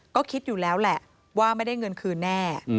ก็คิดอยู่แล้วแหละว่าไม่ได้เงินคืนแน่